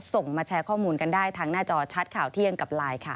ส่งมาแชร์ข้อมูลกันได้ทางหน้าจอชัดข่าวเที่ยงกับไลน์ค่ะ